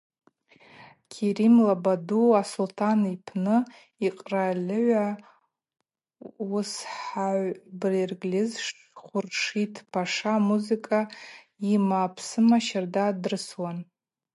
Кериман лабаду, асултӏан йпны йкъральыгӏва уысхагӏв бергьльыз Хуршит-паша музыка ъамапсыма щарда дрысуан.